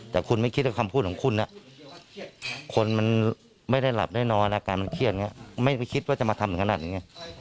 แต่คุณไม่คิดว่าคำพูดของคุณคนมันไม่ได้หลับได้นอนอาการมันเครียดไงไม่คิดว่าจะมาทำถึงขนาดนี้ไง